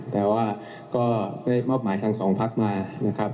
แต่ว่าก็ได้มอบหมายทั้งสองพักมานะครับ